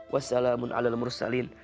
wassalamun ala ala mursalin